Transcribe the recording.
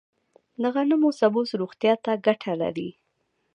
د غنمو سبوس روغتیا ته ګټه لري.